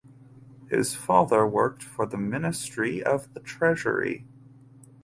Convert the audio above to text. His father worked for the Ministry of the Treasury.